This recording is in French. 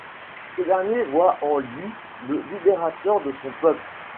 Ce dernier voit en lui le libérateur de son peuple.